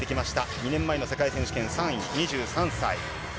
２年前の世界選手権３位、２３歳。